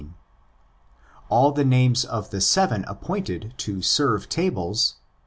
All the names of the seven appointed to '' serve tables"' (vi.